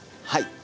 はい。